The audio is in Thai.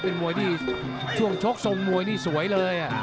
เป็นมวยที่ช่วงชกทรงมวยนี่สวยเลย